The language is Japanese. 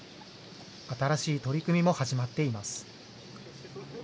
新しい取り組みも始まっています。